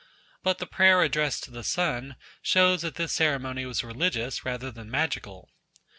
But the prayer addressed to the sun shows that this ceremony was religious rather than magical.